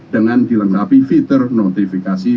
dengan dilengkapi fitur notifikasi